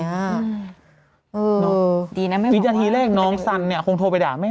เออดีนะแม่บอกว่าวิจารณีแรกน้องสันเนี่ยคงโทรไปด่าแม่